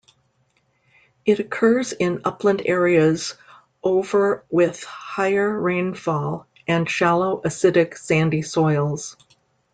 It occurs in upland areas over with higher rainfall and shallow, acidic, sandy soils.